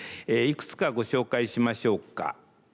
いくつかご紹介しましょうか。